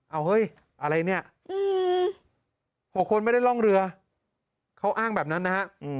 เอาเฮ้ยอะไรเนี่ย๖คนไม่ได้ร่องเรือเขาอ้างแบบนั้นนะฮะ